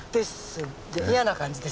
嫌な感じです。